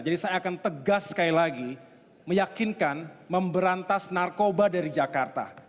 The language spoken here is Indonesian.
jadi saya akan tegas sekali lagi meyakinkan memberantas narkoba dari jakarta